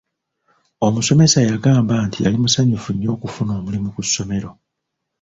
Omusomesa yagamba nti yali musanyufu nnyo okufuna omulimu ku ssomero.